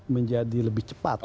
menjadi lebih cepat